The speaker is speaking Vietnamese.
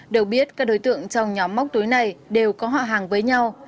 đầu biết các đối tượng trong nhóm móc túi này đều có họ hàng với nhau